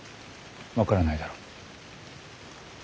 分からないだろう？